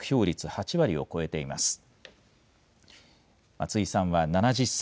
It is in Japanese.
松井さんは７０歳。